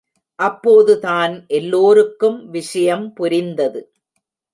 அப்போதுதான் எல்லோருக்கும் விஷயம் புரிந்தது.